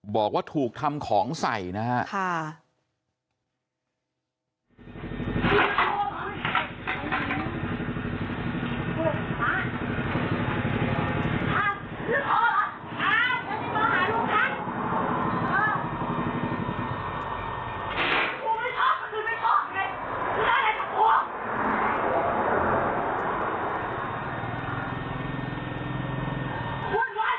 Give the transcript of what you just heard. บอกว่าถูกทำของใส่นะครับ